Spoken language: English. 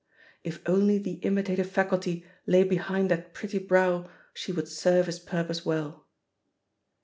If cxily the imitative faculty lay behind that pretty brow she would serve his pur pose well!